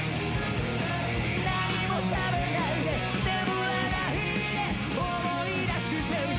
「何も食べないで眠らないで思い出してみて」